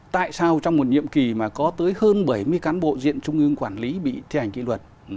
tại sao trong một nhiệm kỳ mà có tới hơn bảy mươi cán bộ diện trung ương quản lý bị thi hành kỷ luật